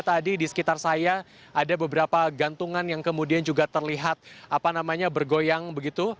tadi di sekitar saya ada beberapa gantungan yang kemudian juga terlihat bergoyang begitu